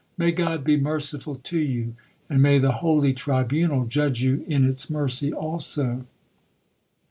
May God be merciful to you, and may the holy tribunal judge you in its mercy also.'